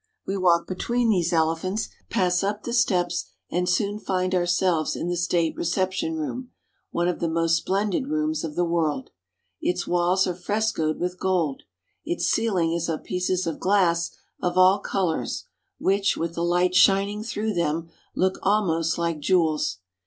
We walk between these elephants, pass up the steps, and soon find ourselves in the state reception room, one of the most splendid rooms of the world. Its walls are frescoed with gold. Its ceiling is of pieces of glass of all colors, which, with the light shining through them, look almost like jewels.